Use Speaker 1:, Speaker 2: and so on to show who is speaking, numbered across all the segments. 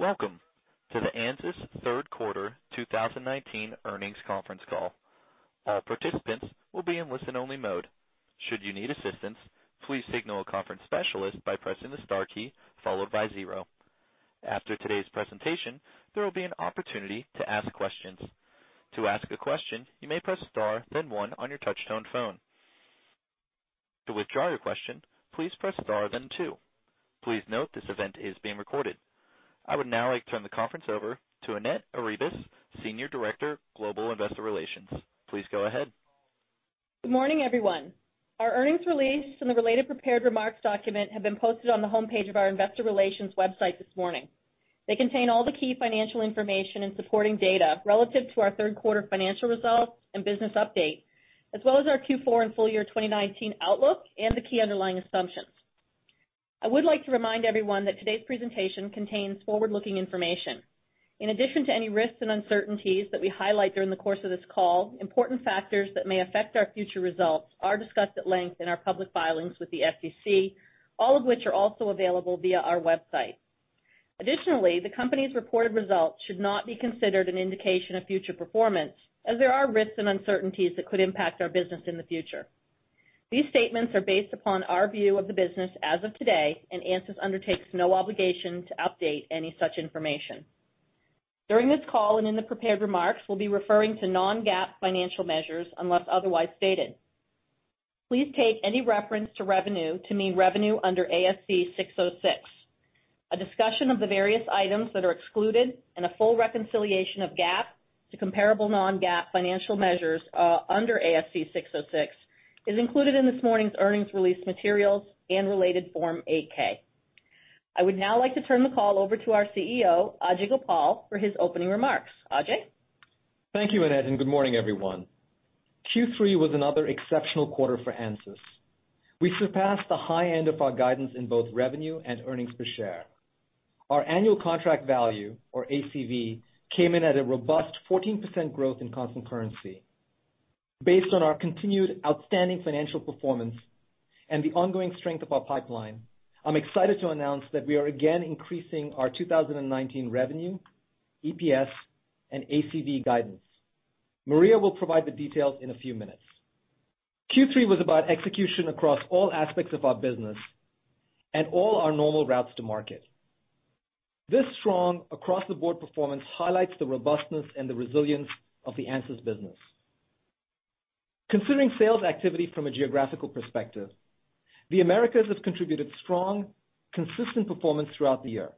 Speaker 1: Welcome to the ANSYS third quarter 2019 earnings conference call. All participants will be in listen-only mode. Should you need assistance, please signal a conference specialist by pressing the star key followed by 0. After today's presentation, there will be an opportunity to ask questions. To ask a question, you may press star then 1 on your touch tone phone. To withdraw your question, please press star then 2. Please note this event is being recorded. I would now like to turn the conference over to Annette Arribas, Senior Director, Global Investor Relations. Please go ahead.
Speaker 2: Good morning, everyone. Our earnings release and the related prepared remarks document have been posted on the homepage of our investor relations website this morning. They contain all the key financial information and supporting data relative to our third quarter financial results and business update, as well as our Q4 and full year 2019 outlook and the key underlying assumptions. I would like to remind everyone that today's presentation contains forward-looking information. In addition to any risks and uncertainties that we highlight during the course of this call, important factors that may affect our future results are discussed at length in our public filings with the SEC, all of which are also available via our website. Additionally, the company's reported results should not be considered an indication of future performance, as there are risks and uncertainties that could impact our business in the future. These statements are based upon our view of the business as of today, and ANSYS undertakes no obligation to update any such information. During this call and in the prepared remarks, we'll be referring to non-GAAP financial measures, unless otherwise stated. Please take any reference to revenue to mean revenue under ASC 606. A discussion of the various items that are excluded and a full reconciliation of GAAP to comparable non-GAAP financial measures under ASC 606 is included in this morning's earnings release materials and related Form 8-K. I would now like to turn the call over to our CEO, Ajei Gopal, for his opening remarks. Ajei?
Speaker 3: Thank you, Annette. Good morning, everyone. Q3 was another exceptional quarter for ANSYS. We surpassed the high end of our guidance in both revenue and earnings per share. Our annual contract value, or ACV, came in at a robust 14% growth in constant currency. Based on our continued outstanding financial performance and the ongoing strength of our pipeline, I'm excited to announce that we are again increasing our 2019 revenue, EPS, and ACV guidance. Maria will provide the details in a few minutes. Q3 was about execution across all aspects of our business and all our normal routes to market. This strong across-the-board performance highlights the robustness and the resilience of the ANSYS business. Considering sales activity from a geographical perspective, the Americas has contributed strong, consistent performance throughout the year.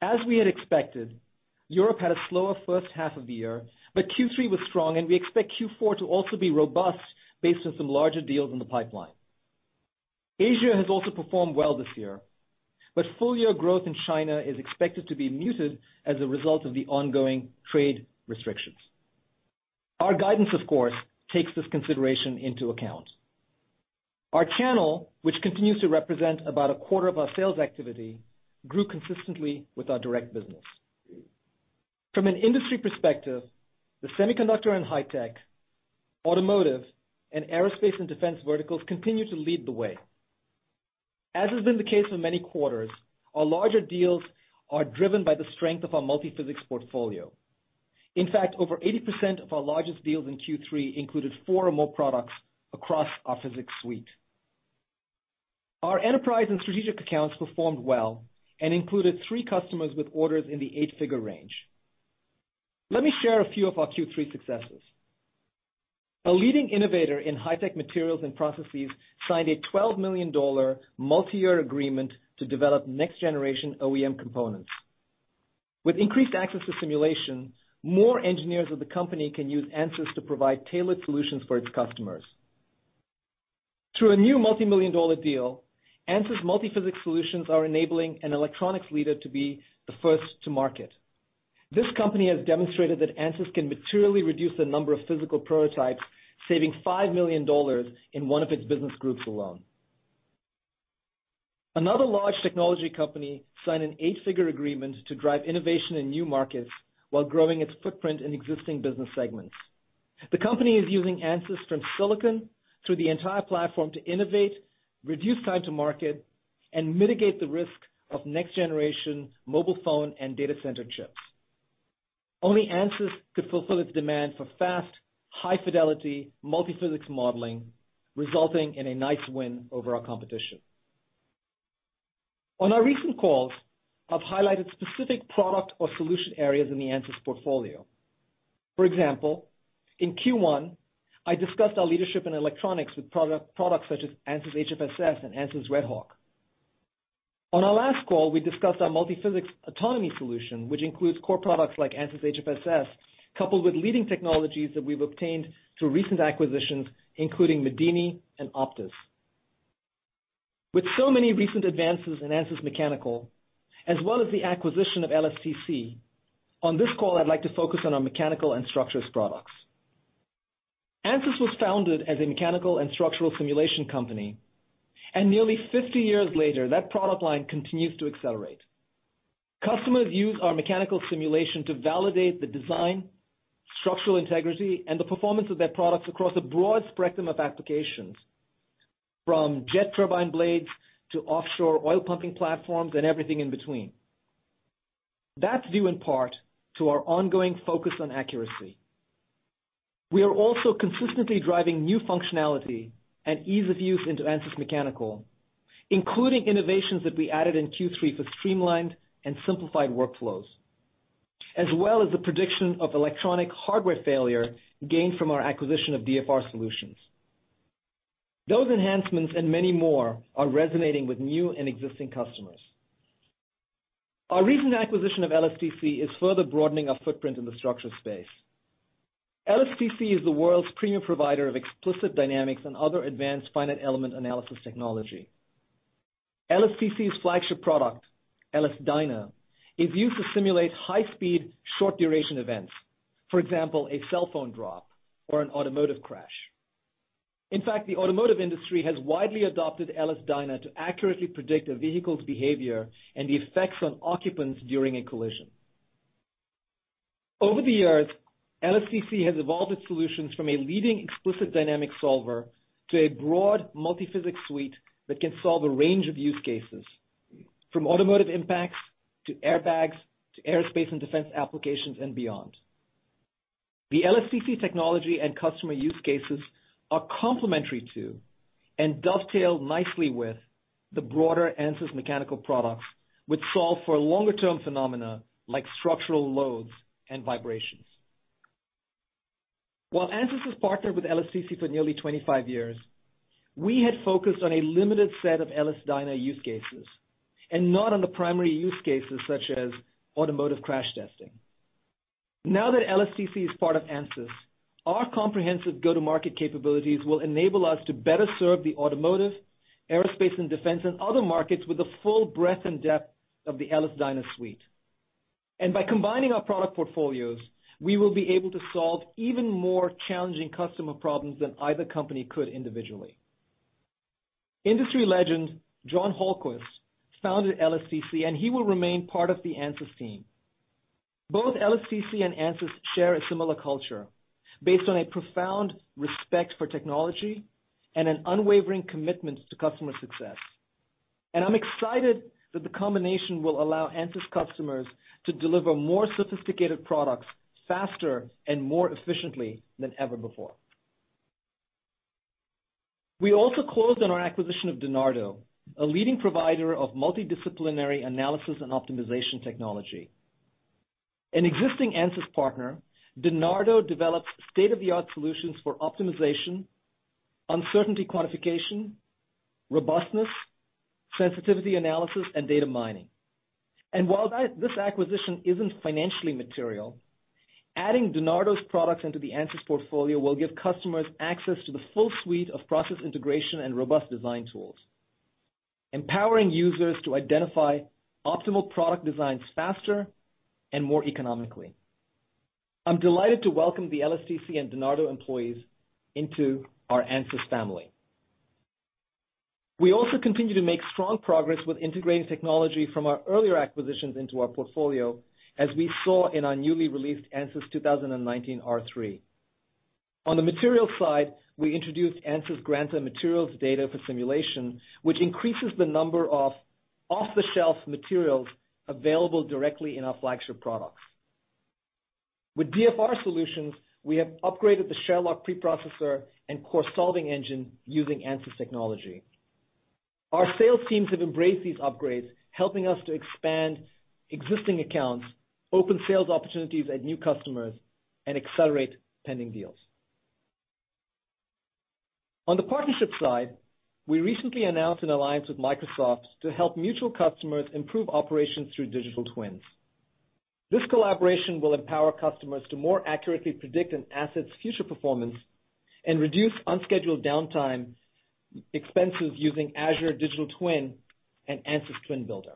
Speaker 3: As we had expected, Europe had a slower first half of the year, but Q3 was strong, and we expect Q4 to also be robust based on some larger deals in the pipeline. Asia has also performed well this year, but full-year growth in China is expected to be muted as a result of the ongoing trade restrictions. Our guidance, of course, takes this consideration into account. Our channel, which continues to represent about a quarter of our sales activity, grew consistently with our direct business. From an industry perspective, the semiconductor and high tech, automotive, and aerospace and defense verticals continue to lead the way. As has been the case for many quarters, our larger deals are driven by the strength of our multi-physics portfolio. In fact, over 80% of our largest deals in Q3 included four or more products across our physics suite. Our enterprise and strategic accounts performed well and included three customers with orders in the eight-figure range. Let me share a few of our Q3 successes. A leading innovator in high-tech materials and processes signed a $12 million multi-year agreement to develop next-generation OEM components. With increased access to simulation, more engineers of the company can use ANSYS to provide tailored solutions for its customers. Through a new multi-million dollar deal, ANSYS multi-physics solutions are enabling an electronics leader to be the first to market. This company has demonstrated that ANSYS can materially reduce the number of physical prototypes, saving $5 million in one of its business groups alone. Another large technology company signed an eight-figure agreement to drive innovation in new markets while growing its footprint in existing business segments. The company is using ANSYS from silicon through the entire platform to innovate, reduce time to market, and mitigate the risk of next-generation mobile phone and data center chips. Only ANSYS could fulfill its demand for fast, high-fidelity, multi-physics modeling, resulting in a nice win over our competition. On our recent calls, I've highlighted specific product or solution areas in the ANSYS portfolio. For example, in Q1, I discussed our leadership in electronics with products such as ANSYS HFSS and ANSYS RedHawk. On our last call, we discussed our multi-physics autonomy solution, which includes core products like ANSYS HFSS, coupled with leading technologies that we've obtained through recent acquisitions, including medini and OPTIS. With so many recent advances in ANSYS Mechanical, as well as the acquisition of LSTC, on this call, I'd like to focus on our mechanical and structures products. ANSYS was founded as a mechanical and structural simulation company. Nearly 50 years later, that product line continues to accelerate. Customers use our mechanical simulation to validate the design, structural integrity, and the performance of their products across a broad spectrum of applications. From jet turbine blades to offshore oil pumping platforms and everything in between. That's due in part to our ongoing focus on accuracy. We are also consistently driving new functionality and ease of use into ANSYS Mechanical, including innovations that we added in Q3 for streamlined and simplified workflows, as well as the prediction of electronic hardware failure gained from our acquisition of DfR Solutions. Those enhancements and many more are resonating with new and existing customers. Our recent acquisition of LS-DYNA is further broadening our footprint in the structure space. LS-DYNA is the world's premium provider of explicit dynamics and other advanced finite element analysis technology. LS-DYNA's flagship product, LS-DYNA, is used to simulate high-speed, short-duration events. For example, a cell phone drop or an automotive crash. In fact, the automotive industry has widely adopted LS-DYNA to accurately predict a vehicle's behavior and the effects on occupants during a collision. Over the years, LS-DYNA has evolved its solutions from a leading explicit dynamic solver to a broad multi-physics suite that can solve a range of use cases, from automotive impacts, to airbags, to aerospace and defense applications and beyond. The LS-DYNA technology and customer use cases are complementary to, and dovetail nicely with the broader ANSYS Mechanical products, which solve for longer-term phenomena like structural loads and vibrations. While ANSYS has partnered with LS-DYNA for nearly 25 years, we had focused on a limited set of LS-DYNA use cases, and not on the primary use cases such as automotive crash testing. Now that LS-DYNA is part of ANSYS, our comprehensive go-to-market capabilities will enable us to better serve the automotive, aerospace and defense, and other markets with the full breadth and depth of the LS-DYNA suite. By combining our product portfolios, we will be able to solve even more challenging customer problems than either company could individually. Industry legend, John Hallquist, founded LS-DYNA, and he will remain part of the ANSYS team. Both LS-DYNA and ANSYS share a similar culture based on a profound respect for technology and an unwavering commitment to customer success. I'm excited that the combination will allow ANSYS customers to deliver more sophisticated products faster and more efficiently than ever before. We also closed on our acquisition of Dynardo, a leading provider of multidisciplinary analysis and optimization technology. An existing ANSYS partner, Dynardo, develops state-of-the-art solutions for optimization, uncertainty quantification, robustness, sensitivity analysis, and data mining. While this acquisition isn't financially material, adding Dynardo's products into the ANSYS portfolio will give customers access to the full suite of process integration and robust design tools, empowering users to identify optimal product designs faster and more economically. I'm delighted to welcome the LS-DYNA and Dynardo employees into our ANSYS family. We also continue to make strong progress with integrating technology from our earlier acquisitions into our portfolio, as we saw in our newly released ANSYS 2019 R3. On the material side, we introduced ANSYS Granta materials data for simulation, which increases the number of off-the-shelf materials available directly in our flagship products. With DfR Solutions, we have upgraded the Sherlock preprocessor and core solving engine using ANSYS technology. Our sales teams have embraced these upgrades, helping us to expand existing accounts, open sales opportunities at new customers, and accelerate pending deals. On the partnership side, we recently announced an alliance with Microsoft to help mutual customers improve operations through digital twins. This collaboration will empower customers to more accurately predict an asset's future performance and reduce unscheduled downtime expenses using Azure Digital Twins and ANSYS Twin Builder.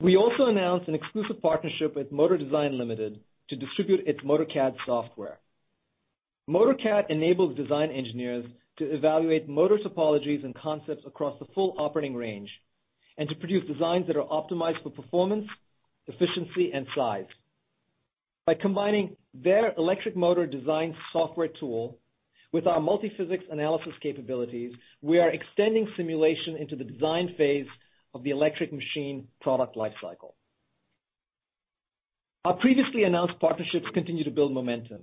Speaker 3: We also announced an exclusive partnership with Motor Design Limited to distribute its Motor-CAD software. Motor-CAD enables design engineers to evaluate motor topologies and concepts across the full operating range, and to produce designs that are optimized for performance, efficiency, and size. By combining their electric motor design software tool with our multi-physics analysis capabilities, we are extending simulation into the design phase of the electric machine product life cycle. Our previously announced partnerships continue to build momentum.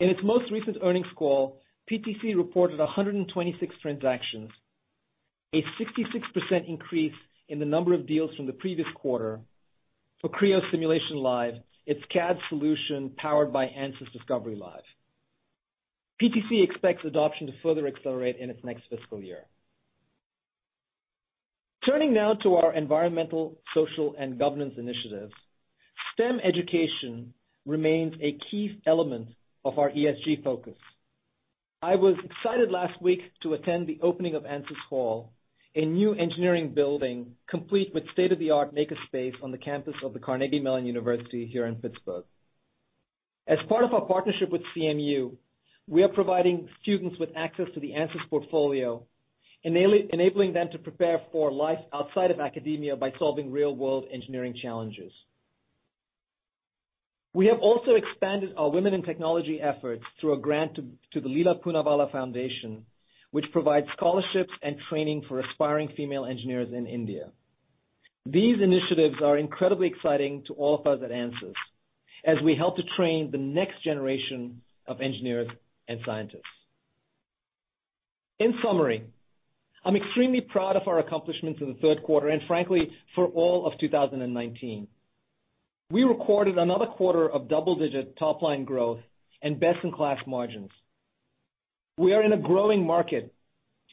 Speaker 3: In its most recent earnings call, PTC reported 126 transactions, a 66% increase in the number of deals from the previous quarter for Creo Simulation Live, its CAD solution powered by ANSYS Discovery Live. PTC expects adoption to further accelerate in its next fiscal year. Turning now to our environmental, social, and governance initiatives. STEM education remains a key element of our ESG focus. I was excited last week to attend the opening of ANSYS Hall, a new engineering building complete with state-of-the-art maker space on the campus of the Carnegie Mellon University here in Pittsburgh. As part of our partnership with CMU, we are providing students with access to the ANSYS portfolio, enabling them to prepare for life outside of academia by solving real-world engineering challenges. We have also expanded our women in technology efforts through a grant to the Lila Poonawalla Foundation, which provides scholarships and training for aspiring female engineers in India. These initiatives are incredibly exciting to all of us at ANSYS, as we help to train the next generation of engineers and scientists. In summary, I'm extremely proud of our accomplishments in the third quarter, and frankly, for all of 2019. We recorded another quarter of double-digit top-line growth and best-in-class margins. We are in a growing market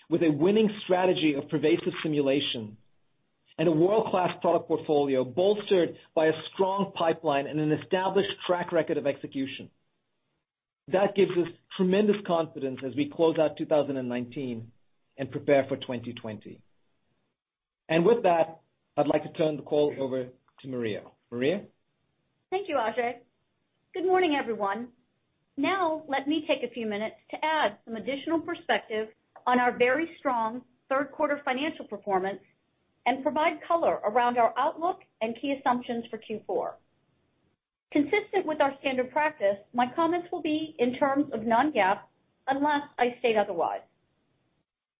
Speaker 3: with a winning strategy of pervasive simulation and a world-class product portfolio bolstered by a strong pipeline and an established track record of execution. That gives us tremendous confidence as we close out 2019 and prepare for 2020. With that, I'd like to turn the call over to Maria. Maria?
Speaker 4: Thank you, Ajei. Good morning, everyone. Let me take a few minutes to add some additional perspective on our very strong third-quarter financial performance and provide color around our outlook and key assumptions for Q4. Consistent with our standard practice, my comments will be in terms of non-GAAP unless I state otherwise.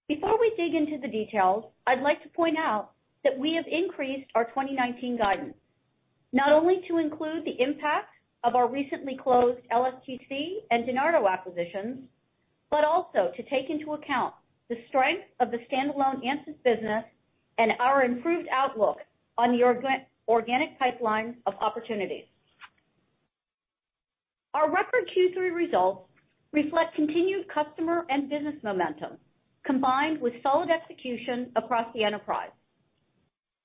Speaker 4: Before we dig into the details, I'd like to point out that we have increased our 2019 guidance, not only to include the impact of our recently closed LSTC and Dynardo acquisitions, but also to take into account the strength of the standalone ANSYS business and our improved outlook on the organic pipeline of opportunities. Our record Q3 results reflect continued customer and business momentum, combined with solid execution across the enterprise.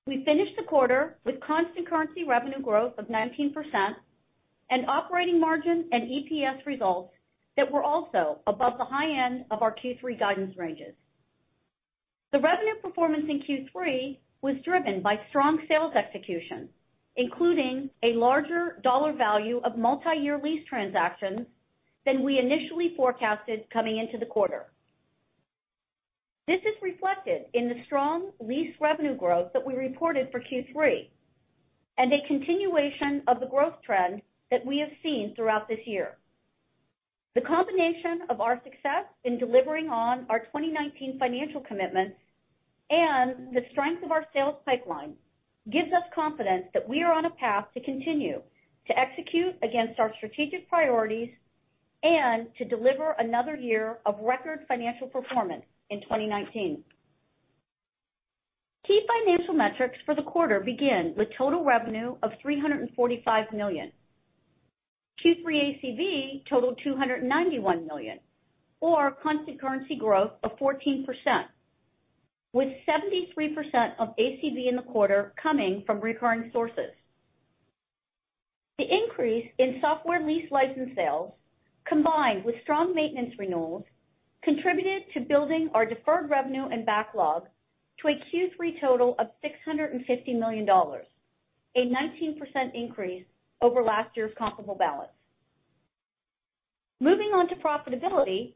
Speaker 4: We finished the quarter with constant currency revenue growth of 19% and operating margin and EPS results that were also above the high end of our Q3 guidance ranges. The revenue performance in Q3 was driven by strong sales execution, including a larger dollar value of multi-year lease transactions than we initially forecasted coming into the quarter. This is reflected in the strong lease revenue growth that we reported for Q3, and a continuation of the growth trend that we have seen throughout this year. The combination of our success in delivering on our 2019 financial commitments and the strength of our sales pipeline gives us confidence that we are on a path to continue to execute against our strategic priorities and to deliver another year of record financial performance in 2019. Key financial metrics for the quarter begin with total revenue of $345 million. Q3 ACV totaled $291 million, or constant currency growth of 14%, with 73% of ACV in the quarter coming from recurring sources. The increase in software lease license sales, combined with strong maintenance renewals, contributed to building our deferred revenue and backlog to a Q3 total of $650 million, a 19% increase over last year's comparable balance. Moving on to profitability.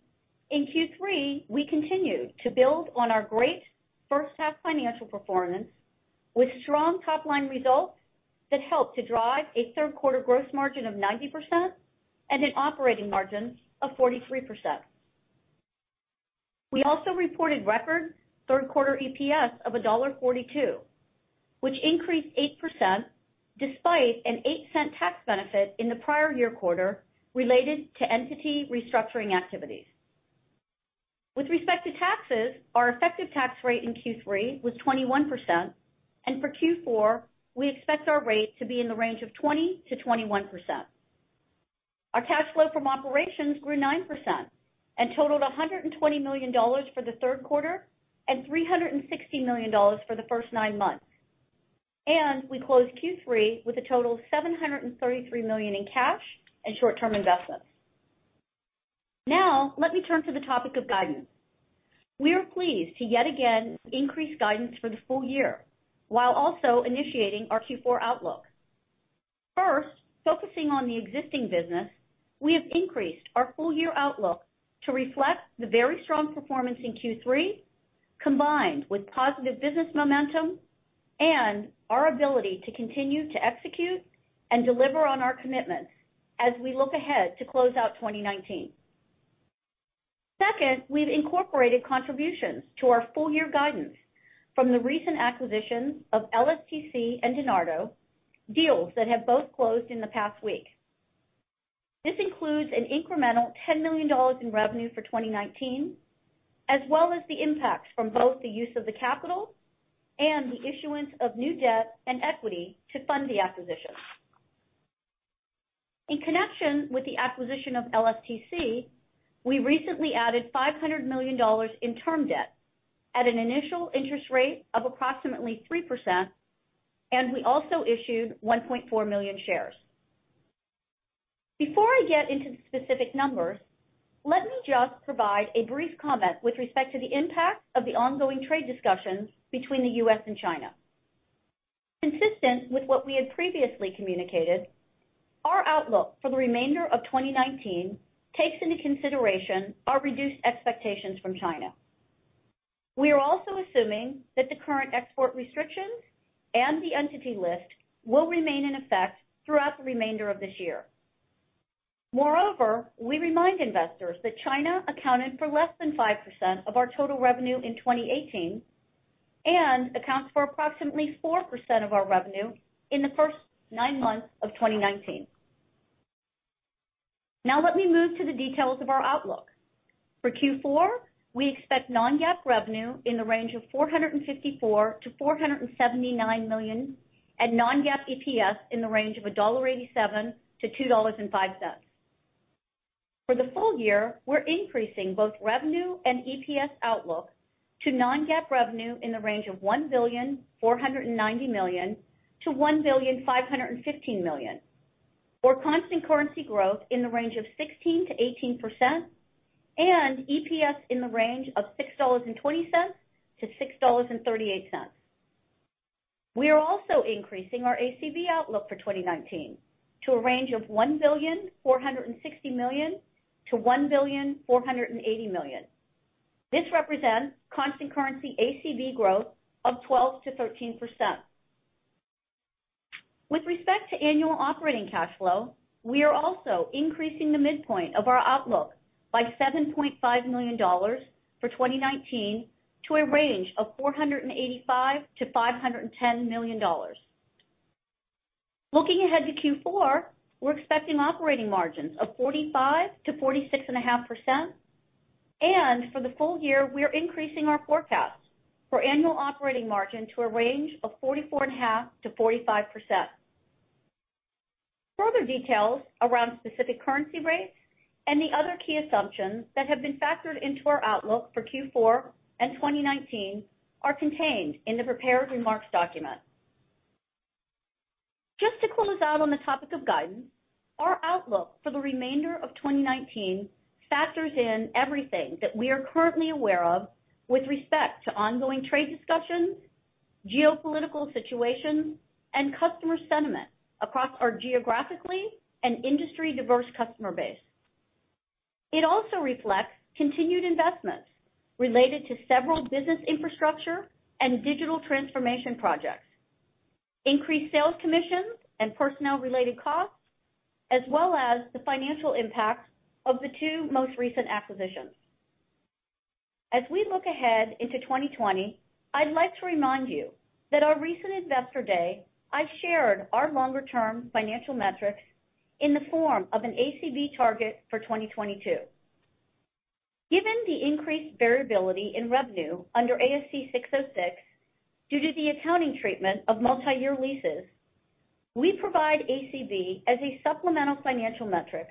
Speaker 4: In Q3, we continued to build on our great first-half financial performance with strong top-line results that helped to drive a third-quarter gross margin of 90% and an operating margin of 43%. We also reported record third-quarter EPS of $1.42, which increased 8% despite an $0.08 tax benefit in the prior year quarter related to entity restructuring activities. With respect to taxes, our effective tax rate in Q3 was 21%, and for Q4, we expect our rate to be in the range of 20%-21%. Our cash flow from operations grew 9% and totaled $120 million for the third quarter and $360 million for the first nine months. We closed Q3 with a total of $733 million in cash and short-term investments. Now, let me turn to the topic of guidance. We are pleased to yet again increase guidance for the full year, while also initiating our Q4 outlook. First, focusing on the existing business, we have increased our full-year outlook to reflect the very strong performance in Q3, combined with positive business momentum and our ability to continue to execute and deliver on our commitments as we look ahead to close out 2019. Second, we've incorporated contributions to our full-year guidance from the recent acquisitions of LSTC and Dynardo, deals that have both closed in the past week. This includes an incremental $10 million in revenue for 2019, as well as the impacts from both the use of the capital and the issuance of new debt and equity to fund the acquisition. In connection with the acquisition of LSTC, we recently added $500 million in term debt at an initial interest rate of approximately 3%, and we also issued 1.4 million shares. Before I get into the specific numbers, let me just provide a brief comment with respect to the impact of the ongoing trade discussions between the U.S. and China. Consistent with what we had previously communicated, our outlook for the remainder of 2019 takes into consideration our reduced expectations from China. We are also assuming that the current export restrictions and the entity list will remain in effect throughout the remainder of this year. Moreover, we remind investors that China accounted for less than 5% of our total revenue in 2018, and accounts for approximately 4% of our revenue in the first nine months of 2019. Let me move to the details of our outlook. For Q4, we expect non-GAAP revenue in the range of $454 million-$479 million, and non-GAAP EPS in the range of $1.87 to $2.05. For the full year, we're increasing both revenue and EPS outlook to non-GAAP revenue in the range of $1,490 million-$1,515 million. For constant currency growth in the range of 16%-18%, and EPS in the range of $6.20 to $6.38. We are also increasing our ACV outlook for 2019 to a range of $1,460 million-$1,480 million. This represents constant currency ACV growth of 12%-13%. With respect to annual operating cash flow, we are also increasing the midpoint of our outlook by $7.5 million for 2019 to a range of $485 million-$510 million. Looking ahead to Q4, we're expecting operating margins of 45%-46.5%, and for the full year, we are increasing our forecast for annual operating margin to a range of 44.5%-45%. Further details around specific currency rates and the other key assumptions that have been factored into our outlook for Q4 and 2019 are contained in the prepared remarks document. Just to close out on the topic of guidance, our outlook for the remainder of 2019 factors in everything that we are currently aware of with respect to ongoing trade discussions, geopolitical situations, and customer sentiment across our geographically and industry-diverse customer base. It also reflects continued investments related to several business infrastructure and digital transformation projects, increased sales commissions and personnel-related costs, as well as the financial impact of the two most recent acquisitions. As we look ahead into 2020, I'd like to remind you that at our recent Investor Day, I shared our longer-term financial metrics in the form of an ACV target for 2022. Given the increased variability in revenue under ASC 606 due to the accounting treatment of multi-year leases, we provide ACV as a supplemental financial metric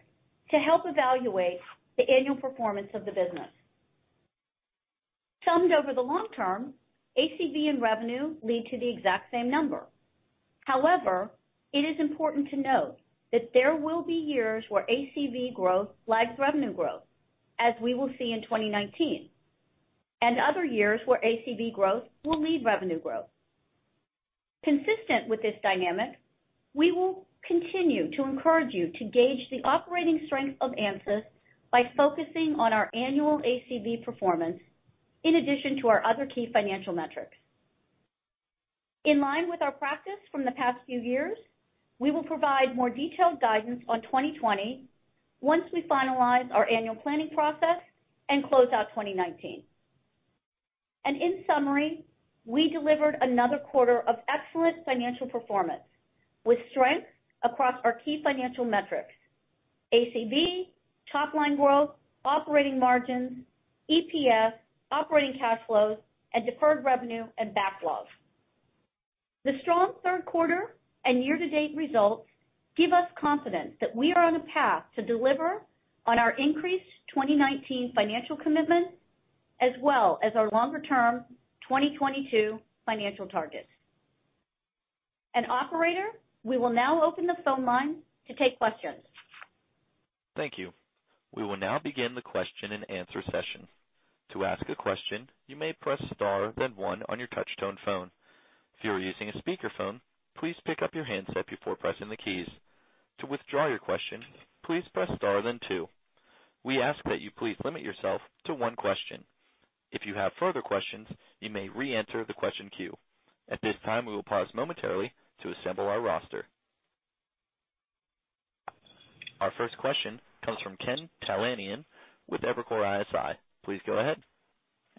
Speaker 4: to help evaluate the annual performance of the business. Summed over the long term, ACV and revenue lead to the exact same number. However, it is important to note that there will be years where ACV growth lags revenue growth, as we will see in 2019, and other years where ACV growth will lead revenue growth. Consistent with this dynamic, we will continue to encourage you to gauge the operating strength of ANSYS by focusing on our annual ACV performance in addition to our other key financial metrics. In line with our practice from the past few years, we will provide more detailed guidance on 2020 once we finalize our annual planning process and close out 2019. In summary, we delivered another quarter of excellent financial performance with strength across our key financial metrics: ACV, top-line growth, operating margins, EPS, operating cash flows, and deferred revenue and backlogs. The strong third quarter and year-to-date results give us confidence that we are on the path to deliver on our increased 2019 financial commitment, as well as our longer-term 2022 financial targets. Operator, we will now open the phone line to take questions.
Speaker 1: Thank you. We will now begin the question and answer session. To ask a question, you may press star then one on your touch-tone phone. If you are using a speakerphone, please pick up your handset before pressing the keys. To withdraw your question, please press star then two. We ask that you please limit yourself to one question. If you have further questions, you may re-enter the question queue. At this time, we will pause momentarily to assemble our roster. Our first question comes from Ken Talanian with Evercore ISI. Please go ahead.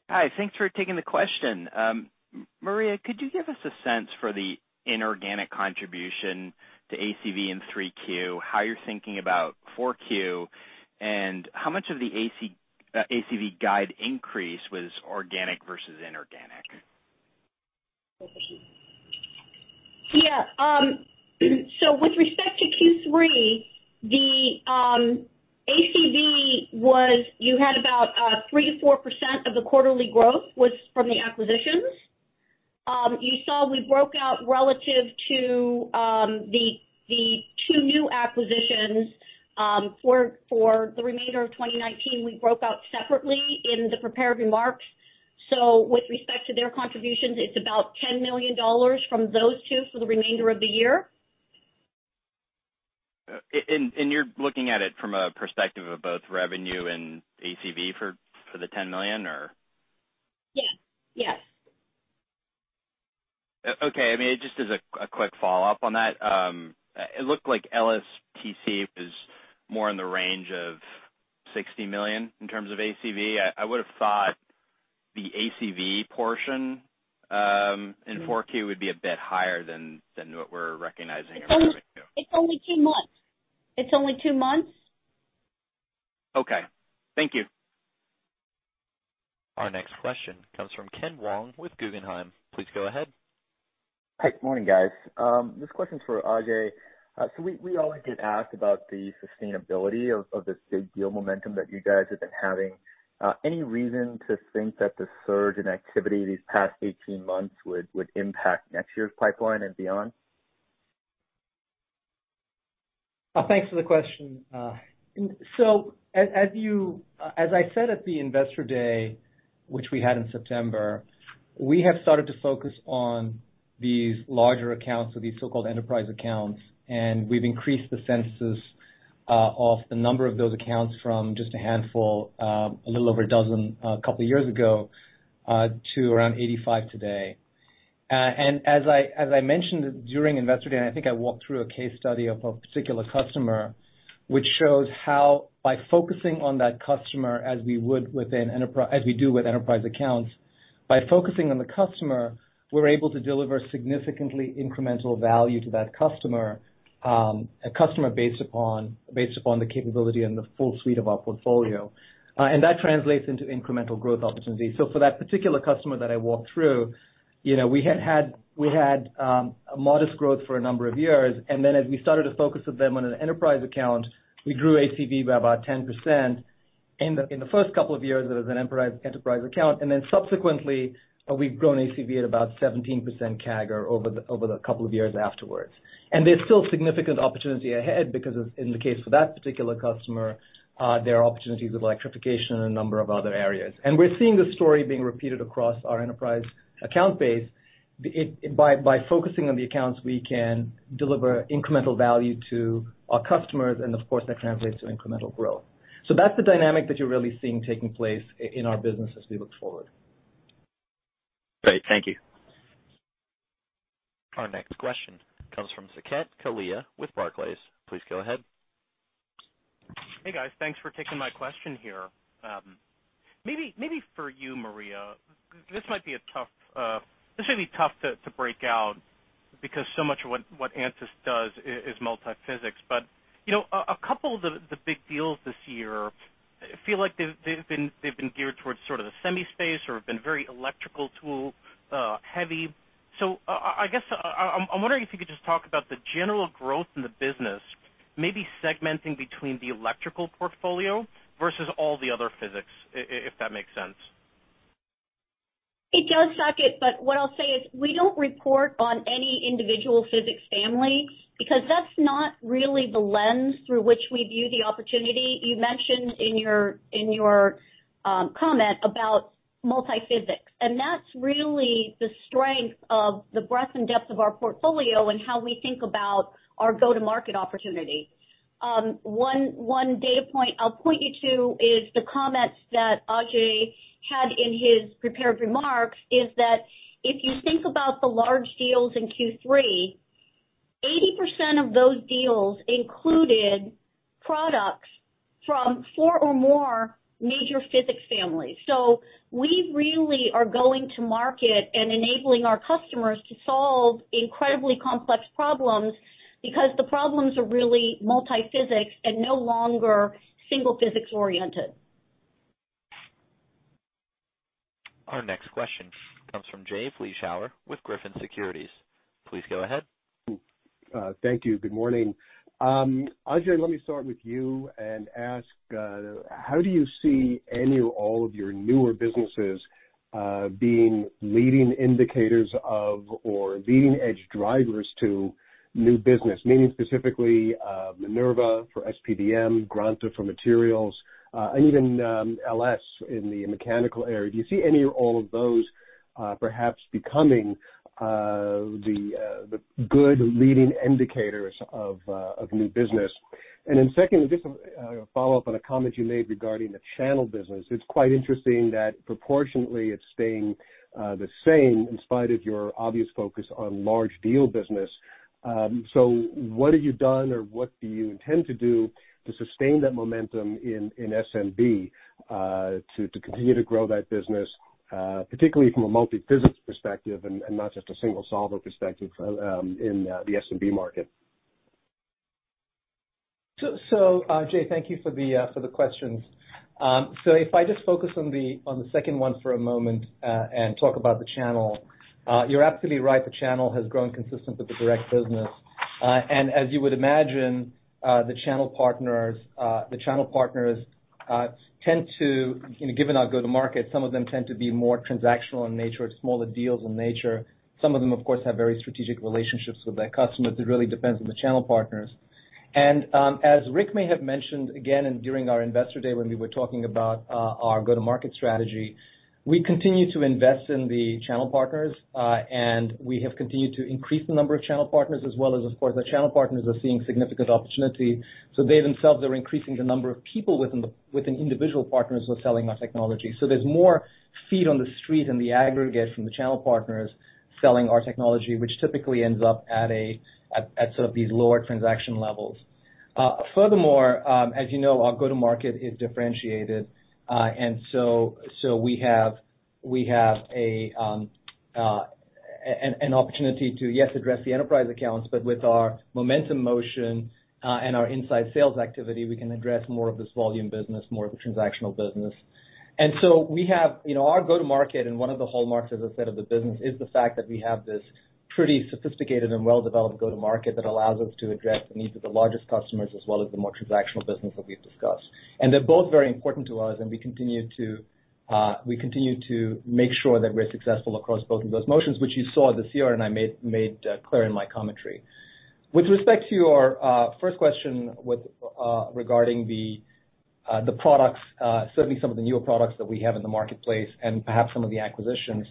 Speaker 5: Hi. Thanks for taking the question. Maria, could you give us a sense for the inorganic contribution to ACV in 3Q, how you're thinking about 4Q, and how much of the ACV guide increase was organic versus inorganic?
Speaker 4: Yeah. With respect to Q3, you had about 3%-4% of the quarterly growth was from the acquisitions. You saw we broke out relative to the two new acquisitions for the remainder of 2019. We broke out separately in the prepared remarks. With respect to their contributions, it's about $10 million from those two for the remainder of the year.
Speaker 5: You're looking at it from a perspective of both revenue and ACV for the $10 million, or?
Speaker 4: Yes.
Speaker 5: Okay. Just as a quick follow-up on that. It looked like LSTC was more in the range of $60 million in terms of ACV. I would've thought the ACV portion in 4Q would be a bit higher than what we're recognizing in $72.
Speaker 4: It's only two months.
Speaker 5: Okay. Thank you.
Speaker 1: Our next question comes from Ken Wong with Guggenheim. Please go ahead.
Speaker 6: Hey, morning guys. This question's for Ajei. We always get asked about the sustainability of this big deal momentum that you guys have been having. Any reason to think that the surge in activity these past 18 months would impact next year's pipeline and beyond?
Speaker 3: Thanks for the question. As I said at the Investor Day, which we had in September, we have started to focus on these larger accounts or these so-called enterprise accounts, and we've increased the census of the number of those accounts from just a handful, a little over 12 a couple of years ago, to around 85 today. As I mentioned during Investor Day, and I think I walked through a case study of a particular customer, which shows how by focusing on that customer as we do with enterprise accounts, by focusing on the customer, we're able to deliver significantly incremental value to that customer, a customer based upon the capability and the full suite of our portfolio. That translates into incremental growth opportunities. For that particular customer that I walked through, we had modest growth for a number of years, then as we started to focus with them on an enterprise account, we grew ACV by about 10% in the first couple of years as an enterprise account. Subsequently, we've grown ACV at about 17% CAGR over the couple of years afterwards. There's still significant opportunity ahead because in the case for that particular customer, there are opportunities with electrification in a number of other areas. We're seeing this story being repeated across our enterprise account base. By focusing on the accounts, we can deliver incremental value to our customers, and of course, that translates to incremental growth. That's the dynamic that you're really seeing taking place in our business as we look forward.
Speaker 6: Great. Thank you.
Speaker 1: Our next question comes from Saket Kalia with Barclays. Please go ahead.
Speaker 7: Hey, guys. Thanks for taking my question here. Maybe for you, Maria, this might be tough to break out because so much of what ANSYS does is multiphysics, but a couple of the big deals this year feel like they've been geared towards sort of the semi space or have been very electrical tool heavy. I guess I'm wondering if you could just talk about the general growth in the business, maybe segmenting between the electrical portfolio versus all the other physics, if that makes sense.
Speaker 4: It does, Saket, but what I'll say is we don't report on any individual physics family because that's not really the lens through which we view the opportunity. You mentioned in your comment about multiphysics, and that's really the strength of the breadth and depth of our portfolio and how we think about our go-to-market opportunity. One data point I'll point you to is the comments that Ajei had in his prepared remarks, is that if you think about the large deals in Q3, 80% of those deals included products from four or more major physics families. We really are going to market and enabling our customers to solve incredibly complex problems because the problems are really multiphysics and no longer single physics oriented.
Speaker 1: Our next question comes from Jay Vleeschhouwer with Griffin Securities. Please go ahead.
Speaker 8: Thank you. Good morning. Ajei, let me start with you and ask, how do you see any or all of your newer businesses being leading indicators of or leading-edge drivers to new business? Meaning specifically, Minerva for SPDM, Granta for materials, and even LS in the mechanical area. Do you see any or all of those perhaps becoming the good leading indicators of new business? Second, just a follow-up on a comment you made regarding the channel business. It's quite interesting that proportionately it's staying the same in spite of your obvious focus on large deal business. What have you done or what do you intend to do to sustain that momentum in SMB, to continue to grow that business, particularly from a multiphysics perspective and not just a single solver perspective in the SMB market?
Speaker 3: Jay, thank you for the questions. If I just focus on the second one for a moment, and talk about the channel. You're absolutely right. The channel has grown consistent with the direct business. As you would imagine, the channel partners tend to, given our go-to-market, some of them tend to be more transactional in nature or smaller deals in nature. Some of them, of course, have very strategic relationships with their customers. It really depends on the channel partners. As Rick may have mentioned again during our Investor Day when we were talking about our go-to-market strategy, we continue to invest in the channel partners, and we have continued to increase the number of channel partners as well as, of course, our channel partners are seeing significant opportunity. They themselves are increasing the number of people within individual partners who are selling our technology. There's more feet on the street in the aggregate from the channel partners selling our technology, which typically ends up at these lower transaction levels. Furthermore, as you know, our go-to-market is differentiated. We have an opportunity to, yes, address the enterprise accounts, but with our momentum motion, and our inside sales activity, we can address more of this volume business, more of the transactional business. Our go-to-market, and one of the hallmarks, as I said, of the business, is the fact that we have this pretty sophisticated and well-developed go-to-market that allows us to address the needs of the largest customers as well as the more transactional business that we've discussed. They're both very important to us, and we continue to make sure that we're successful across both of those motions, which you saw at the CR, and I made clear in my commentary. With respect to your first question regarding the products, certainly some of the newer products that we have in the marketplace and perhaps some of the acquisitions,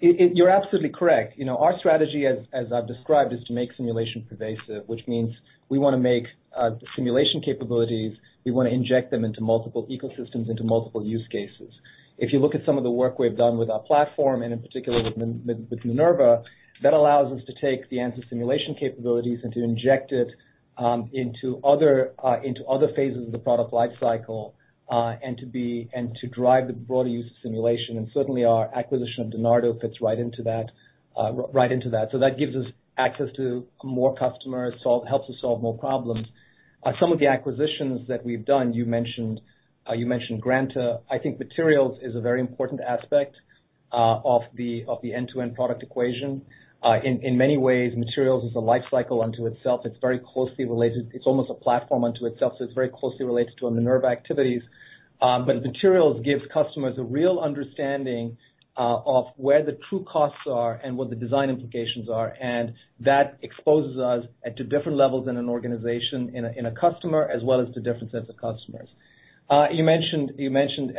Speaker 3: you're absolutely correct. Our strategy, as I've described, is to make simulation pervasive, which means we want to make simulation capabilities. We want to inject them into multiple ecosystems, into multiple use cases. If you look at some of the work we've done with our platform, and in particular with Minerva, that allows us to take the ANSYS simulation capabilities and to inject it into other phases of the product life cycle, and to drive the broader use of simulation. Certainly, our acquisition of Dynardo fits right into that. That gives us access to more customers, helps us solve more problems. Some of the acquisitions that we've done, you mentioned Granta. I think materials is a very important aspect of the end-to-end product equation. In many ways, materials is a life cycle unto itself. It's very closely related. It's almost a platform unto itself, so it's very closely related to our Minerva activities. Materials gives customers a real understanding of where the true costs are and what the design implications are, and that exposes us to different levels in an organization, in a customer, as well as to different sets of customers. You mentioned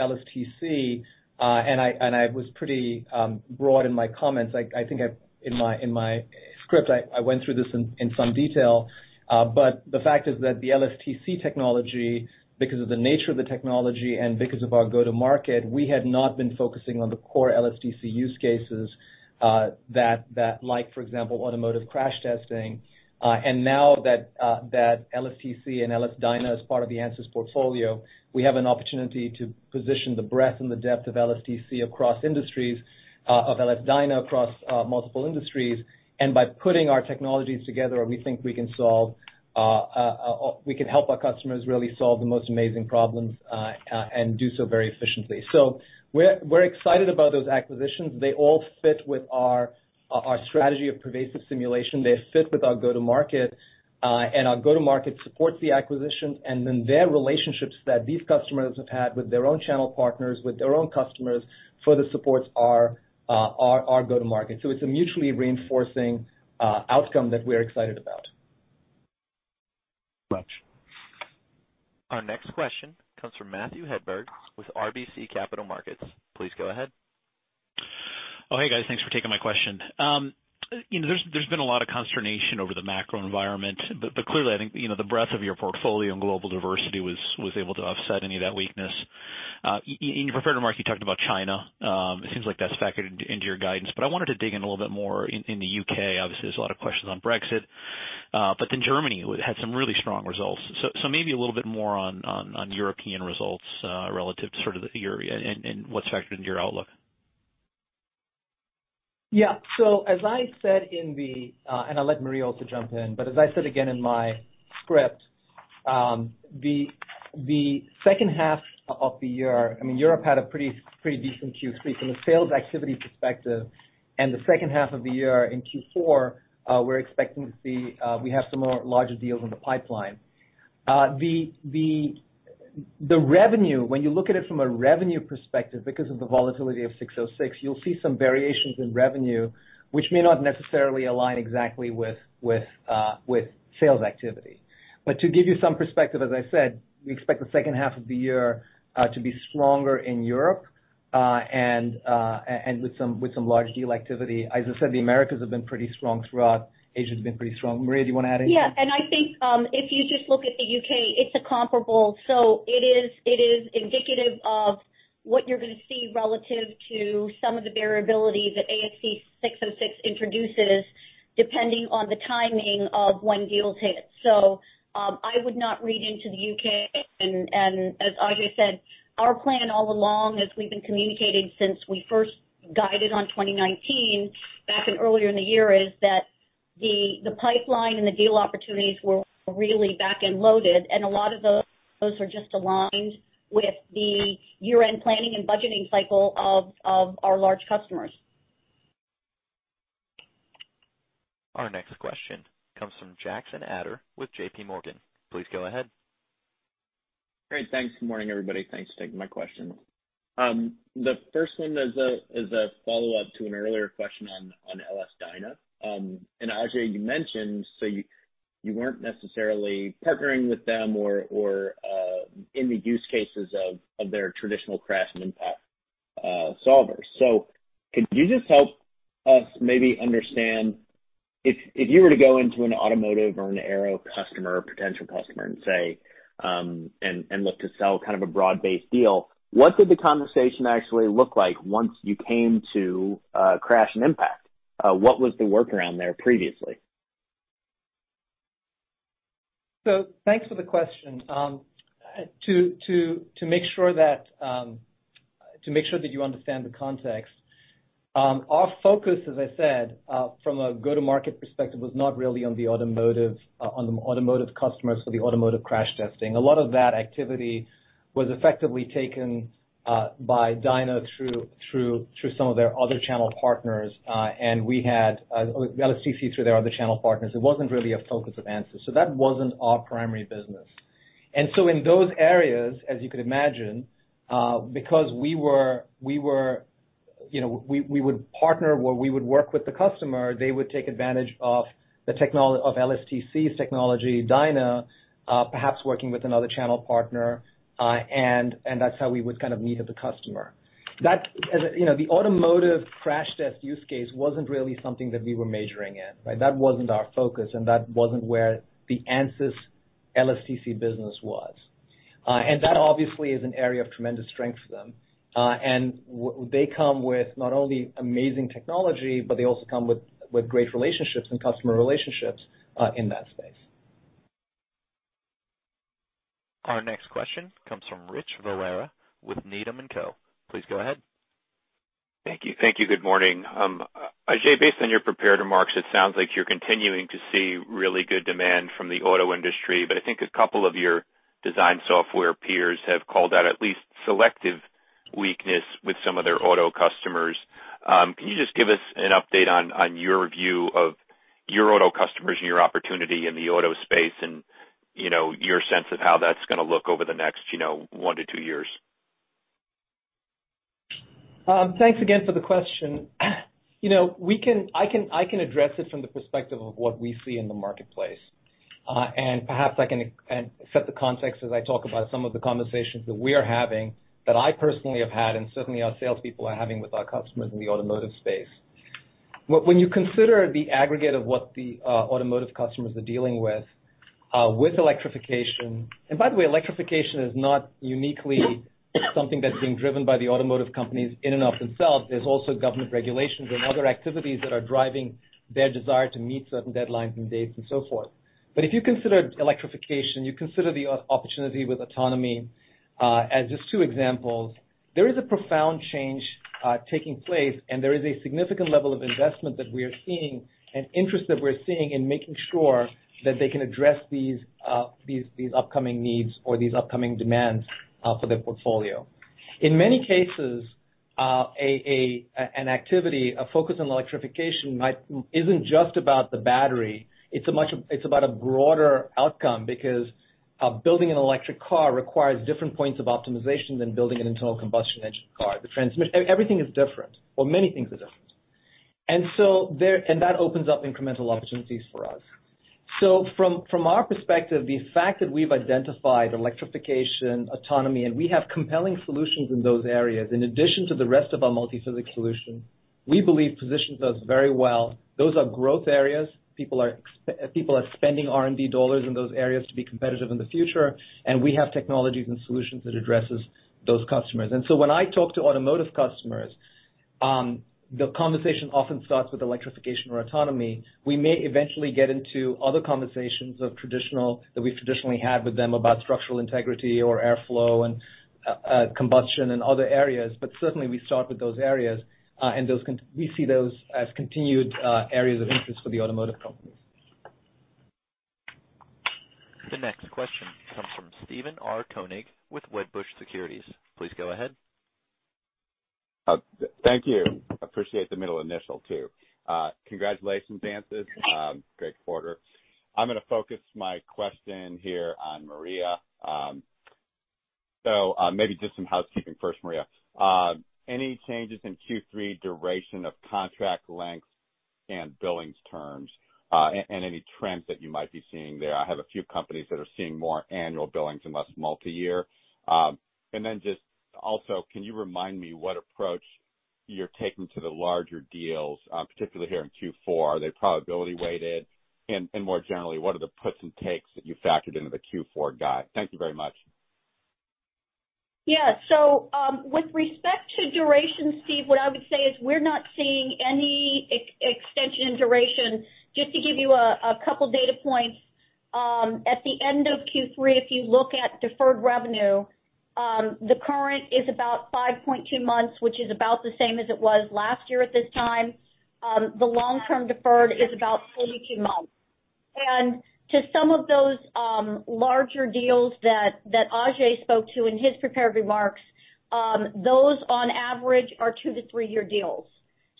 Speaker 3: LSTC, and I was pretty broad in my comments. I think in my script, I went through this in some detail. The fact is that the LSTC technology, because of the nature of the technology and because of our go-to-market, we had not been focusing on the core LSTC use cases, like, for example, automotive crash testing. Now that LSTC and LS-DYNA is part of the ANSYS portfolio, we have an opportunity to position the breadth and the depth of LSTC across industries, of LS-DYNA across multiple industries. By putting our technologies together, we think we can help our customers really solve the most amazing problems, and do so very efficiently. We're excited about those acquisitions. They all fit with our strategy of pervasive simulation. They fit with our go-to-market, and our go-to-market supports the acquisition, and then their relationships that these customers have had with their own channel partners, with their own customers, further supports our go-to-market. It's a mutually reinforcing outcome that we're excited about.
Speaker 4: Much.
Speaker 1: Our next question comes from Matthew Hedberg with RBC Capital Markets. Please go ahead.
Speaker 9: Oh, hey, guys. Thanks for taking my question. There's been a lot of consternation over the macro environment. Clearly, I think the breadth of your portfolio and global diversity was able to offset any of that weakness. In your prepared remarks, you talked about China. It seems like that's factored into your guidance. I wanted to dig in a little bit more in the U.K. Obviously, there's a lot of questions on Brexit. Germany had some really strong results. Maybe a little bit more on European results relative to sort of the area and what's factored into your outlook.
Speaker 3: As I said, and I'll let Maria also jump in. As I said again in my script, the second half of the year, Europe had a pretty decent Q3 from a sales activity perspective. The second half of the year in Q4, we're expecting to see we have some more larger deals in the pipeline. The revenue, when you look at it from a revenue perspective, because of the volatility of 606, you'll see some variations in revenue, which may not necessarily align exactly with sales activity. To give you some perspective, as I said, we expect the second half of the year to be stronger in Europe, and with some large deal activity. As I said, the Americas have been pretty strong throughout. Asia has been pretty strong. Maria, do you want to add anything?
Speaker 4: Yeah. I think, if you just look at the U.K., it's a comparable, so it is indicative of what you're going to see relative to some of the variability that ASC 606 introduces, depending on the timing of when deals hit. I would not read into the U.K., as Ajei said, our plan all along, as we've been communicating since we first guided on 2019, back in earlier in the year, is that the pipeline and the deal opportunities were really back end loaded, and a lot of those are just aligned with the year-end planning and budgeting cycle of our large customers.
Speaker 1: Our next question comes from Jackson Ader with JPMorgan. Please go ahead.
Speaker 10: Great. Thanks. Good morning, everybody. Thanks for taking my questions. The first one is a follow-up to an earlier question on LS-DYNA. Ajei, you mentioned you weren't necessarily partnering with them or in the use cases of their traditional crash and impact solvers. Could you just help us maybe understand, if you were to go into an automotive or an aero customer, potential customer, and look to sell a broad-based deal, what did the conversation actually look like once you came to crash and impact? What was the workaround there previously?
Speaker 3: Thanks for the question. To make sure that you understand the context, our focus, as I said, from a go-to-market perspective, was not really on the automotive customers for the automotive crash testing. A lot of that activity was effectively taken by DYNA through some of their other channel partners. We had LSTC through their other channel partners. It wasn't really a focus of ANSYS, that wasn't our primary business. In those areas, as you could imagine, because we would partner or we would work with the customer, they would take advantage of LSTC's technology, DYNA, perhaps working with another channel partner, and that's how we would kind of meet with the customer. The automotive crash test use case wasn't really something that we were majoring in. That wasn't our focus, and that wasn't where the ANSYS LSTC business was. That obviously is an area of tremendous strength for them. They come with not only amazing technology, but they also come with great relationships and customer relationships, in that space.
Speaker 1: Our next question comes from Rich Valera with Needham. Please go ahead.
Speaker 11: Thank you, good morning. Ajei, based on your prepared remarks, it sounds like you're continuing to see really good demand from the auto industry. I think a couple of your design software peers have called out at least selective weakness with some of their auto customers. Can you just give us an update on your view of your auto customers and your opportunity in the auto space and your sense of how that's going to look over the next one to two years?
Speaker 3: Thanks again for the question. I can address it from the perspective of what we see in the marketplace. Perhaps I can set the context as I talk about some of the conversations that we are having, that I personally have had, and certainly our salespeople are having with our customers in the automotive space. When you consider the aggregate of what the automotive customers are dealing with electrification, and by the way, electrification is not uniquely something that's being driven by the automotive companies in and of themselves. There's also government regulations and other activities that are driving their desire to meet certain deadlines and dates and so forth. If you consider electrification, you consider the opportunity with autonomy, as just two examples, there is a profound change taking place, and there is a significant level of investment that we are seeing and interest that we're seeing in making sure that they can address these upcoming needs or these upcoming demands for their portfolio. In many cases, an activity, a focus on electrification isn't just about the battery. It's about a broader outcome because building an electric car requires different points of optimization than building an internal combustion engine car. Everything is different, or many things are different. That opens up incremental opportunities for us. From our perspective, the fact that we've identified electrification, autonomy, and we have compelling solutions in those areas, in addition to the rest of our multi-physics solution, we believe positions us very well. Those are growth areas. People are spending R&D dollars in those areas to be competitive in the future. We have technologies and solutions that address those customers. When I talk to automotive customers, the conversation often starts with electrification or autonomy. We may eventually get into other conversations that we've traditionally had with them about structural integrity or airflow and combustion and other areas. Certainly, we start with those areas. We see those as continued areas of interest for the automotive companies.
Speaker 1: The next question comes from Steven R. Koenig with Wedbush Securities. Please go ahead.
Speaker 12: Thank you. Appreciate the middle initial, too. Congratulations, ANSYS. Great quarter. I'm going to focus my question here on Maria. Maybe just some housekeeping first, Maria. Any changes in Q3 duration of contract lengths and billings terms, and any trends that you might be seeing there? I have a few companies that are seeing more annual billings and less multi-year. Then just also, can you remind me what approach you're taking to the larger deals, particularly here in Q4? Are they probability-weighted? More generally, what are the puts and takes that you factored into the Q4 guide? Thank you very much.
Speaker 4: With respect to duration, Steve, what I would say is we're not seeing any extension in duration. Just to give you a couple data points, at the end of Q3, if you look at deferred revenue, the current is about 5.2 months, which is about the same as it was last year at this time. The long-term deferred is about 42 months. To some of those larger deals that Ajei spoke to in his prepared remarks, those on average are two- to three-year deals.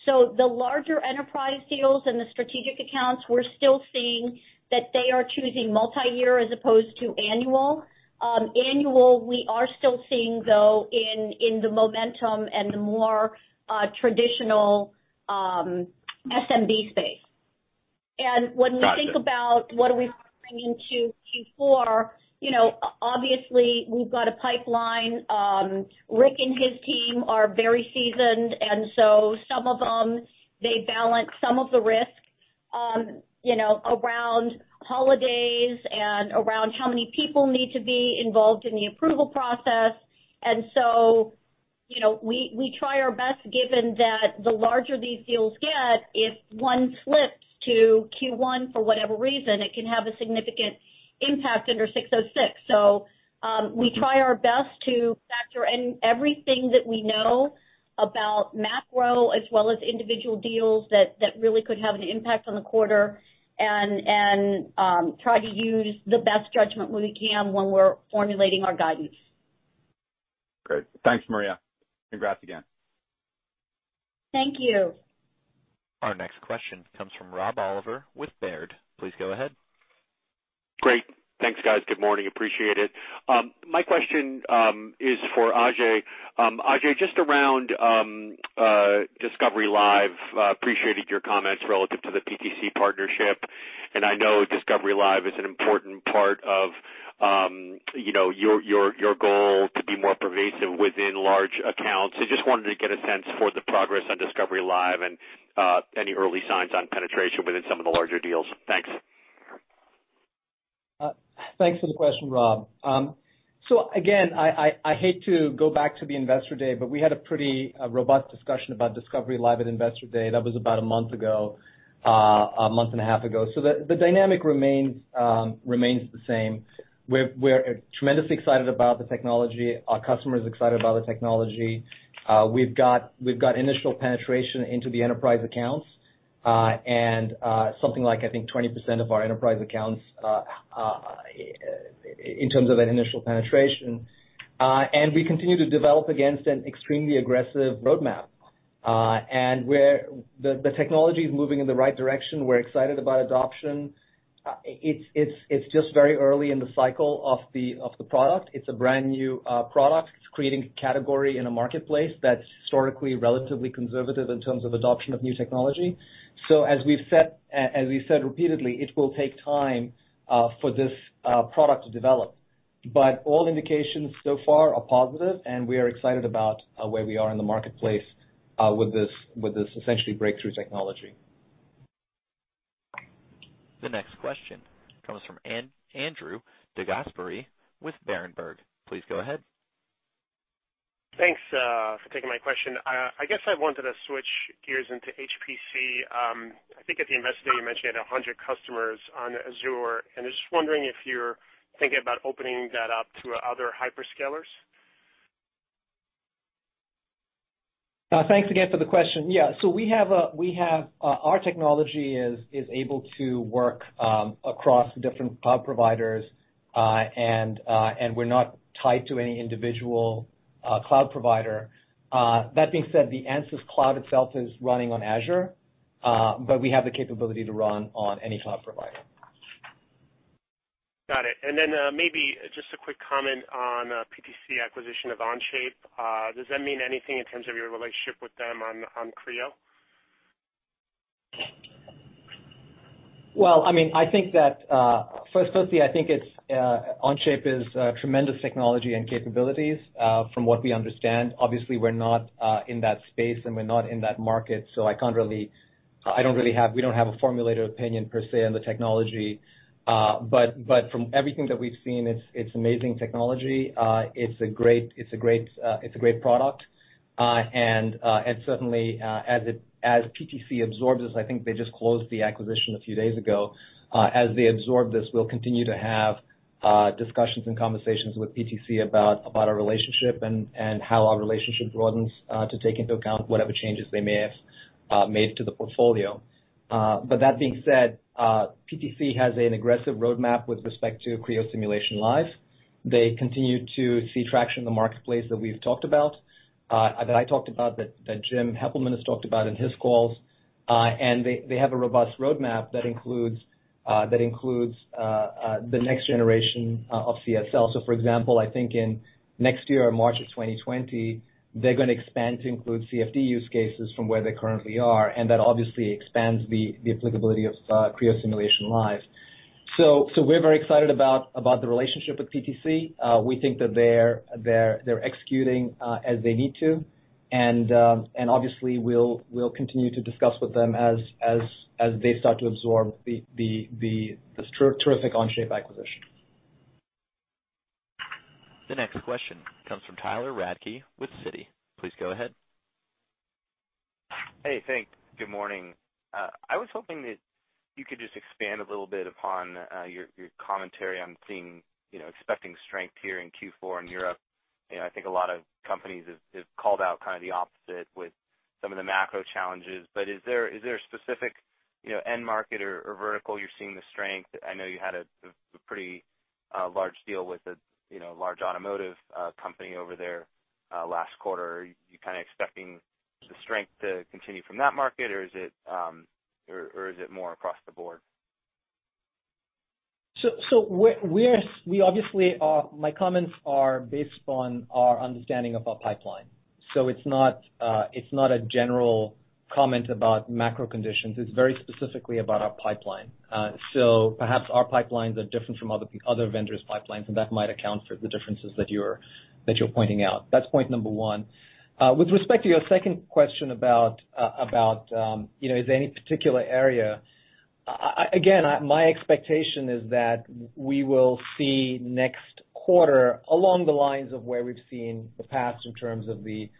Speaker 4: The larger enterprise deals and the strategic accounts, we're still seeing that they are choosing multi-year as opposed to annual. Annual, we are still seeing though in the momentum and the more traditional SMB space. When we think about what are we bringing to Q4, obviously we've got a pipeline. Rich and his team are very seasoned, some of them, they balance some of the risk around holidays and around how many people need to be involved in the approval process. We try our best given that the larger these deals get, if one slips to Q1 for whatever reason, it can have a significant impact under ASC 606. We try our best to factor in everything that we know about macro as well as individual deals that really could have an impact on the quarter, and try to use the best judgment we can when we're formulating our guidance.
Speaker 12: Great. Thanks, Maria. Congrats again.
Speaker 4: Thank you.
Speaker 1: Our next question comes from Rob Oliver with Baird. Please go ahead.
Speaker 13: Great. Thanks, guys. Good morning. Appreciate it. My question is for Ajei. Ajei, just around Discovery Live, appreciated your comments relative to the PTC partnership, and I know Discovery Live is an important part of your goal to be more pervasive within large accounts. Just wanted to get a sense for the progress on Discovery Live and any early signs on penetration within some of the larger deals. Thanks.
Speaker 3: Thanks for the question, Rob. Again, I hate to go back to the Investor Day, but we had a pretty robust discussion about Discovery Live at Investor Day. That was about a month ago, a month and a half ago. The dynamic remains the same. We're tremendously excited about the technology. Our customers are excited about the technology. We've got initial penetration into the enterprise accounts, and something like, I think 20% of our enterprise accounts in terms of that initial penetration. We continue to develop against an extremely aggressive roadmap. The technology is moving in the right direction. We're excited about adoption. It's just very early in the cycle of the product. It's a brand-new product. It's creating a category in a marketplace that's historically relatively conservative in terms of adoption of new technology. As we've said repeatedly, it will take time for this product to develop. All indications so far are positive, and we are excited about where we are in the marketplace, with this essentially breakthrough technology.
Speaker 1: The next question comes from Andrew DeGasperi with Berenberg. Please go ahead.
Speaker 14: Thanks for taking my question. I guess I wanted to switch gears into HPC. I think at the Investor Day, you mentioned 100 customers on Azure, and I'm just wondering if you're thinking about opening that up to other hyperscalers?
Speaker 3: Thanks again for the question. Yeah. Our technology is able to work across different cloud providers, and we're not tied to any individual cloud provider. That being said, the Ansys Cloud itself is running on Azure, but we have the capability to run on any cloud provider.
Speaker 14: Got it. Maybe just a quick comment on PTC acquisition of Onshape. Does that mean anything in terms of your relationship with them on Creo?
Speaker 3: Well, firstly, I think Onshape is a tremendous technology and capabilities, from what we understand. Obviously, we're not in that space and we're not in that market, so we don't have a formulated opinion per se on the technology. From everything that we've seen, it's amazing technology. It's a great product. Certainly, as PTC absorbs this, I think they just closed the acquisition a few days ago. As they absorb this, we'll continue to have discussions and conversations with PTC about our relationship and how our relationship broadens to take into account whatever changes they may have made to the portfolio. That being said, PTC has an aggressive roadmap with respect to Creo Simulation Live. They continue to see traction in the marketplace that we've talked about, that I talked about, that Jim Heppelmann has talked about in his calls. They have a robust roadmap that includes the next generation of CSL. For example, I think in next year or March of 2020, they're going to expand to include CFD use cases from where they currently are, and that obviously expands the applicability of Creo Simulation Live. We're very excited about the relationship with PTC. We think that they're executing as they need to, and obviously we'll continue to discuss with them as they start to absorb the terrific Onshape acquisition.
Speaker 1: The next question comes from Tyler Radke with Citi. Please go ahead.
Speaker 15: Hey, thanks. Good morning. I was hoping that you could just expand a little bit upon your commentary on seeing, expecting strength here in Q4 in Europe. I think a lot of companies have called out kind of the opposite with some of the macro challenges. Is there a specific end market or vertical you're seeing the strength? A large deal with a large automotive company over there last quarter. Are you expecting the strength to continue from that market, or is it more across the board?
Speaker 3: My comments are based upon our understanding of our pipeline. It's not a general comment about macro conditions. It's very specifically about our pipeline. Perhaps our pipelines are different from other vendors' pipelines, and that might account for the differences that you're pointing out. That's point number one. With respect to your second question about is any particular area. Again, my expectation is that we will see next quarter along the lines of where we've seen the past, in terms of the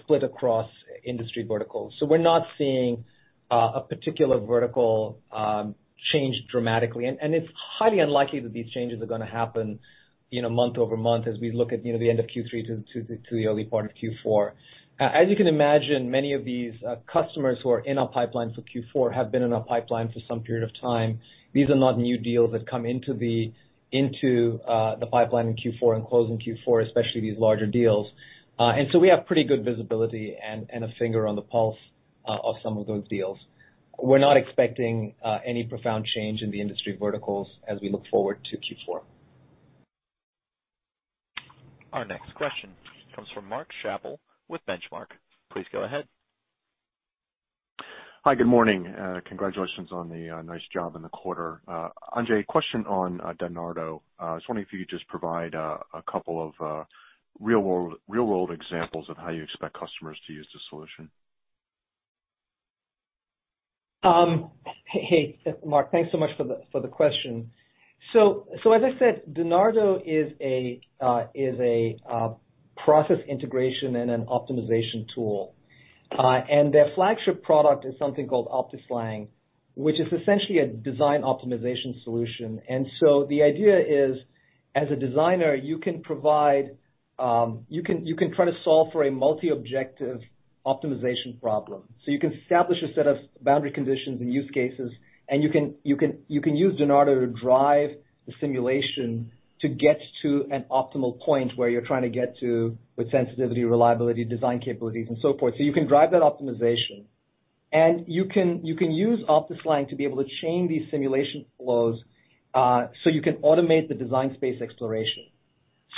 Speaker 3: split across industry verticals. We're not seeing a particular vertical change dramatically, and it's highly unlikely that these changes are going to happen month-over-month as we look at the end of Q3 to the early part of Q4. As you can imagine, many of these customers who are in our pipeline for Q4 have been in our pipeline for some period of time. These are not new deals that come into the pipeline in Q4 and close in Q4, especially these larger deals. We have pretty good visibility and a finger on the pulse of some of those deals. We're not expecting any profound change in the industry verticals as we look forward to Q4.
Speaker 1: Our next question comes from Mark Schappel with Benchmark. Please go ahead.
Speaker 16: Hi. Good morning. Congratulations on the nice job in the quarter. Ajei, question on Dynardo. I was wondering if you could just provide a couple of real-world examples of how you expect customers to use the solution.
Speaker 3: Hey, Mark. Thanks so much for the question. As I said, Dynardo is a process integration and an optimization tool. Their flagship product is something called optiSLang, which is essentially a design optimization solution. The idea is, as a designer, you can try to solve for a multi-objective optimization problem. You can establish a set of boundary conditions and use cases, and you can use Dynardo to drive the simulation to get to an optimal point where you're trying to get to with sensitivity, reliability, design capabilities, and so forth. You can drive that optimization, and you can use optiSLang to be able to chain these simulation flows so you can automate the design space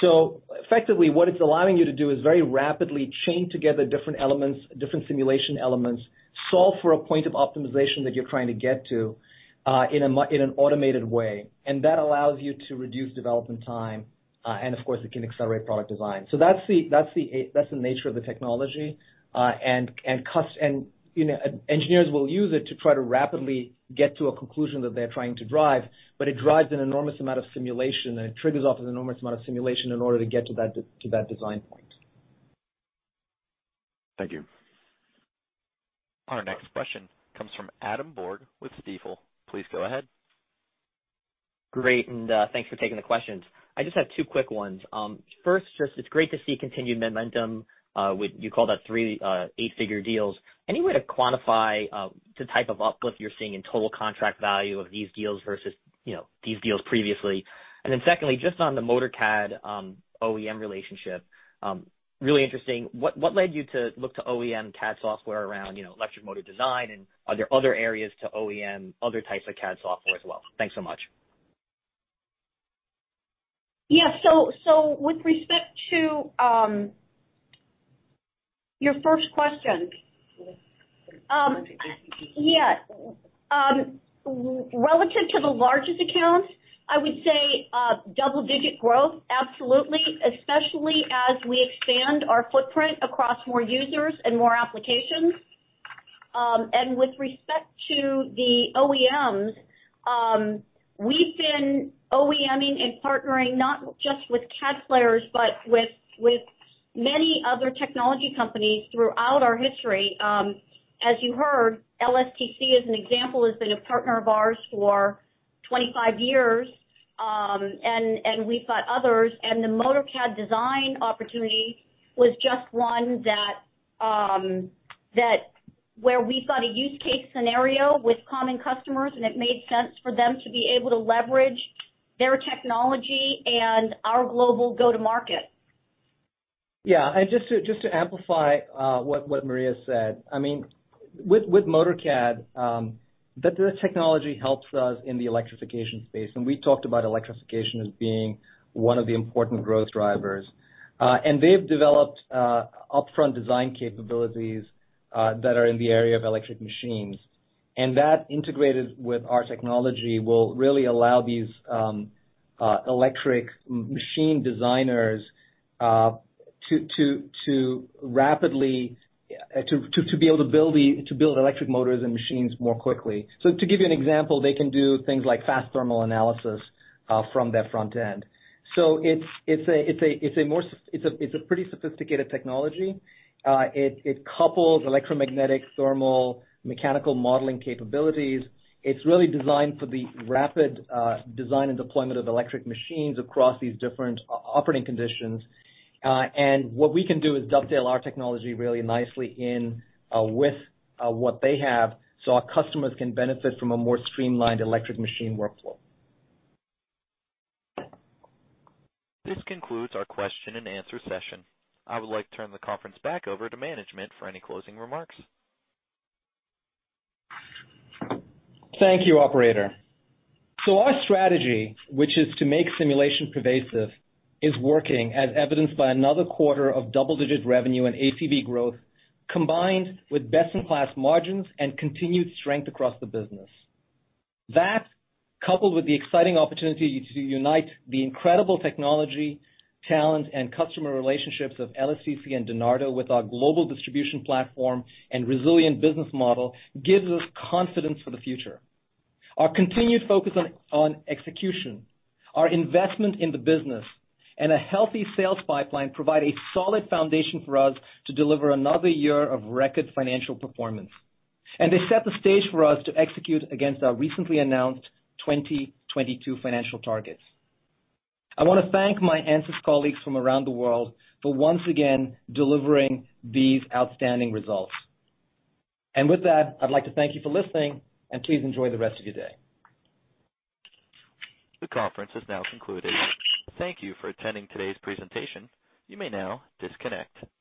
Speaker 3: exploration. Effectively, what it's allowing you to do is very rapidly chain together different simulation elements, solve for a point of optimization that you're trying to get to in an automated way. That allows you to reduce development time, and of course, it can accelerate product design. That's the nature of the technology. Engineers will use it to try to rapidly get to a conclusion that they're trying to drive, but it drives an enormous amount of simulation, and it triggers off an enormous amount of simulation in order to get to that design point.
Speaker 16: Thank you.
Speaker 1: Our next question comes from Adam Borg with Stifel. Please go ahead.
Speaker 17: Great, thanks for taking the questions. I just have two quick ones. First, just it's great to see continued momentum with, you called out three eight-figure deals. Any way to quantify the type of uplift you're seeing in total contract value of these deals versus these deals previously? Secondly, just on the Motor-CAD OEM relationship, really interesting. What led you to look to OEM CAD software around electric motor design, and are there other areas to OEM, other types of CAD software as well? Thanks so much.
Speaker 3: Yeah. With respect to your first question. Relative to the largest accounts, I would say double-digit growth, absolutely. Especially as we expand our footprint across more users and more applications. With respect to the OEMs, we've been OEM-ing and partnering not just with CAD players, but with many other technology companies throughout our history. As you heard, LSTC, as an example, has been a partner of ours for 25 years, and we've got others. The Motor-CAD design opportunity was just one where we saw the use case scenario with common customers, and it made sense for them to be able to leverage their technology and our global go-to-market. Yeah. Just to amplify what Maria said. With Motor-CAD, their technology helps us in the electrification space, and we talked about electrification as being one of the important growth drivers. They've developed upfront design capabilities that are in the area of electric machines. That, integrated with our technology, will really allow these electric machine designers to be able to build electric motors and machines more quickly. To give you an example, they can do things like fast thermal analysis from their front end. It's a pretty sophisticated technology. It couples electromagnetic, thermal, mechanical modeling capabilities. It's really designed for the rapid design and deployment of electric machines across these different operating conditions. What we can do is dovetail our technology really nicely in with what they have so our customers can benefit from a more streamlined electric machine workflow.
Speaker 1: This concludes our question and answer session. I would like to turn the conference back over to management for any closing remarks.
Speaker 3: Thank you, operator. Our strategy, which is to make simulation pervasive, is working, as evidenced by another quarter of double-digit revenue and ACV growth, combined with best-in-class margins and continued strength across the business. That, coupled with the exciting opportunity to unite the incredible technology, talent, and customer relationships of LSTC and Dynardo with our global distribution platform and resilient business model, gives us confidence for the future. Our continued focus on execution, our investment in the business, and a healthy sales pipeline provide a solid foundation for us to deliver another year of record financial performance, and they set the stage for us to execute against our recently announced 2022 financial targets. I want to thank my ANSYS colleagues from around the world for once again delivering these outstanding results. With that, I'd like to thank you for listening, and please enjoy the rest of your day.
Speaker 1: The conference is now concluded. Thank you for attending today's presentation. You may now disconnect.